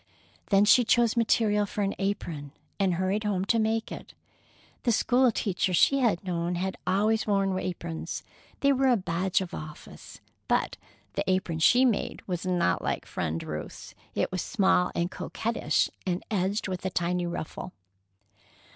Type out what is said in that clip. Then she chose material for an apron, and hurried home to make it. The school teachers she had known had always worn aprons. They were a badge of office. But the apron she made was not like Friend Ruth's. It was small and coquettish, and edged with a tiny ruffle.